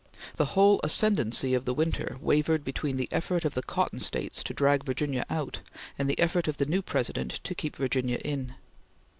The whole ascendancy of the winter wavered between the effort of the cotton States to drag Virginia out, and the effort of the new President to keep Virginia in.